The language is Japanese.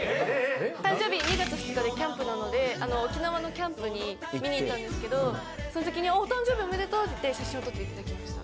誕生日２月２日でキャンプなので沖縄のキャンプに見に行ったんですけどその時に「お誕生日おめでとう」って言って写真を撮っていただきました。